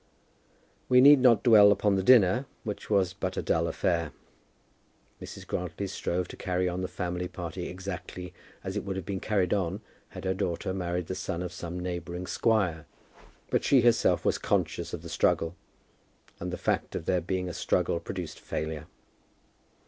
We need not dwell upon the dinner, which was but a dull affair. Mrs. Grantly strove to carry on the family party exactly as it would have been carried on had her daughter married the son of some neighbouring squire; but she herself was conscious of the struggle, and the fact of there being a struggle produced failure.